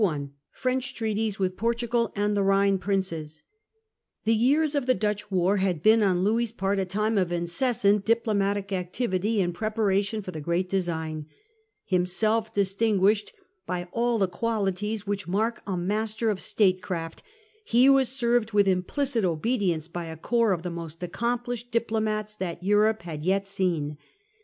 French Treaties with Portugal and the Rhine Princes. The years of the Dutch war had been on Louis's part a time of incessant diplomatic activity in preparation for Diplomatists the great design. Himself distinguished by of France, all the qualities which mark a master of state craft, he was served with implicit obedience by a corps of the most accomplished diplomats that Europe had yet seen.